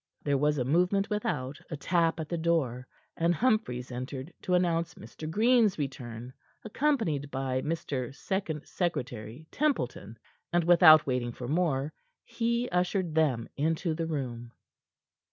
There was a movement without, a tap at the door; and Humphries entered to announce Mr. Green's return, accompanied by Mr. Second Secretary Templeton, and without waiting for more, he ushered them into the room.